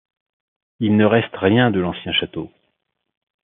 Il ne reste rien de l'ancien château.